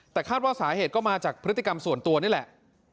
แต่คาดว่าสาเหตุก็มาจากพฤติกรรมส่วนตัวนี่แหละ